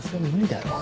誰だろう？